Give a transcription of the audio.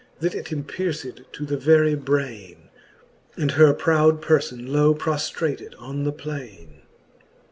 That it empierced to the very braine, And her proud perlbn low proftrated on the plaine.